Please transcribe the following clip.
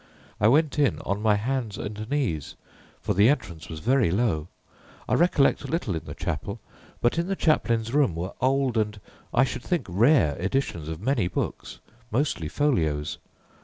I went in on my hands and knees, for the entrance was very low. I recollect little in the chapel; but in the chaplain's room were old and I should think rare editions of many books, mostly folios.